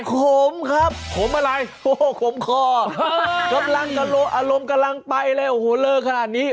ขมครับขมอะไรโอ้โฮขมคออารมณ์กำลังไปเลยโอ้โฮเลอร์ขนาดนี้